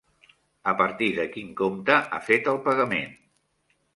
A partir de quin compte ha fet el pagament?